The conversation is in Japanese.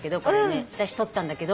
私撮ったんだけど。